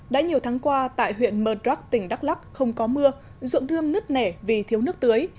đã nhiều tháng qua tại huyện murdrag tỉnh đắk lắc không có mưa dưỡng đương nứt nẻ vì thiếu nước tưới